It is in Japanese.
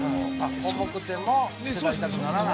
◆重くても手が痛くならない？